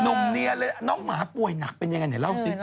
หนุ่มเงียนเลยน้องหมาป่วยหนักเป็นยังไงลอบสิ